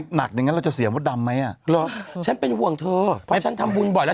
หนักอย่างงั้นเราจะเสียมดดำไหมอ่ะเหรอฉันเป็นห่วงเธอเพราะฉันทำบุญบ่อยแล้ว